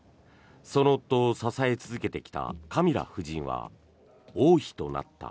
その夫を支え続けてきたカミラ夫人は王妃となった。